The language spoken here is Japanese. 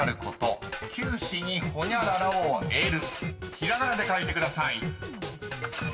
［ひらがなで書いてください］